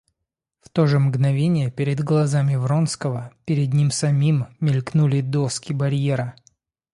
В то же мгновение пред глазами Вронского, пред ним самим, мелькнули доски барьера.